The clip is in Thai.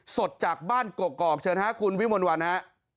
สดจากบ้านกกอกเชิญฮะคุณวิมลวันฮะ